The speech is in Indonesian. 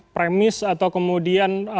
premis atau kemudian